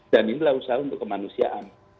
dan inilah usaha untuk kemanusiaan